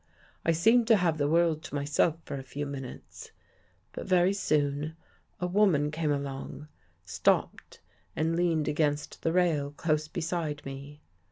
" I seemed to have the world to myself for a few minutes, but very soon a woman came along, stopped and leaned against the rail close beside me.